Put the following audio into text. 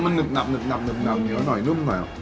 มันนึกหนับนึกหนับเหนียวหน่อยนุ่มหน่อย